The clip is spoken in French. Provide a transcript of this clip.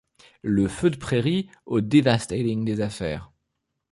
Le feu de prairie au devasting des affaires.